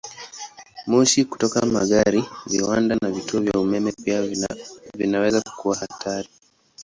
Moshi kutoka magari, viwanda, na vituo vya umeme pia vinaweza kuwa hatari.